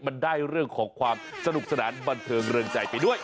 มันได้เรื่องของความสนุกสนานบันเทิงเรืองใจไปด้วย